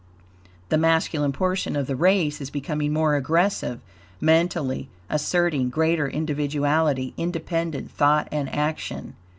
The masculine portion of the race is becoming more aggressive, mentally, asserting greater individuality, independent thought and action.